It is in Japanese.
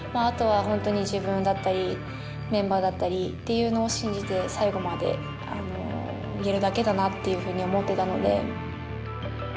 あとは本当に自分だったりメンバーだったりっていうのを信じて最後までやるだけだなっていうふうに思ってたので。